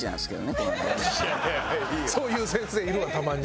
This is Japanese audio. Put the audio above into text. そういう先生いるわたまに。